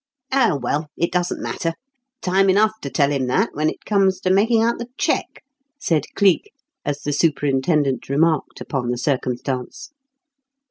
"Oh, well, it doesn't matter. Time enough to tell him that when it comes to making out the cheque," said Cleek, as the superintendent remarked upon the circumstance.